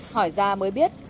hỏi ra mới biết